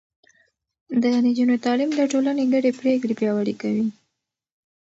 د نجونو تعليم د ټولنې ګډې پرېکړې پياوړې کوي.